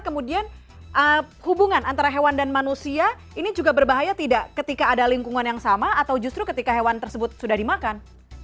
kemudian hubungan antara hewan dan manusia ini juga berbahaya tidak ketika ada lingkungan yang sama atau justru ketika hewan tersebut sudah dimakan